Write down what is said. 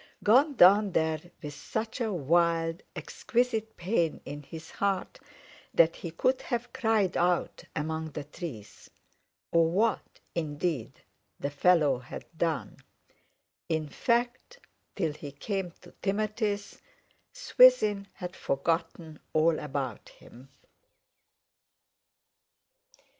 Gone down there with such a wild, exquisite pain in his heart that he could have cried out among the trees. Or what, indeed, the fellow had done. In fact, till he came to Timothy's, Swithin had forgotten all about him.